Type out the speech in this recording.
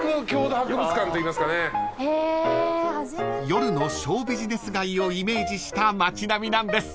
［夜のショービジネス街をイメージした街並みなんです］